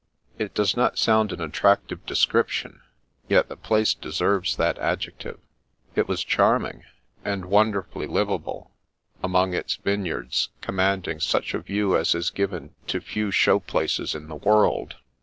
It does not sound an attractive description, yet the place deserved that adjective. It was charming, and wonderfully " liveable," among its vineyards, commanding such a view as is given to few show places in the world.